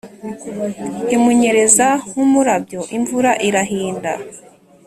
Imunyereza nk'umurabyo imvura irahinda